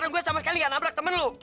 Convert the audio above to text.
orang gue sama sekali gak nabrak temen lo